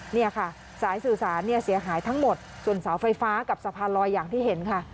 เนี่ยค่ะสายสื่อสารเนี่ยเสียหายทั้งหมดส่วนเสาไฟฟ้ากับสะพานลอยอย่างที่เห็นค่ะ